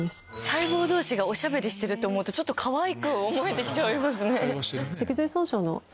細胞同士がおしゃべりしてると思うとちょっとかわいく思えて来ちゃいますね。